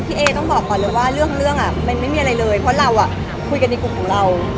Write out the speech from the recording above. เอต้องบอกก่อนเลยว่าเรื่องมันไม่มีอะไรเลยเพราะเราคุยกันในกลุ่มของเรา